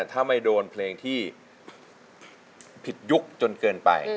ถ้าไม่โดนเพลงที่ผิดยุคจนเกินไป